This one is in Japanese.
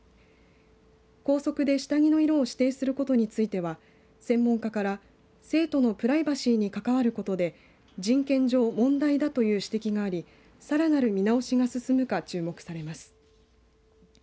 校則で下着の色を指定することについては専門家から生徒のプライバシーに関わることで人権上問題だという指摘がありさらなる見直しが進むか注目されます。